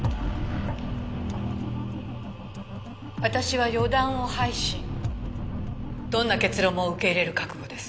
私は予断を排しどんな結論も受け入れる覚悟です。